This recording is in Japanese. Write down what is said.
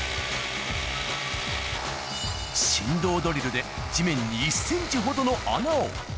振動ドリルで地面に１センチほどの穴を。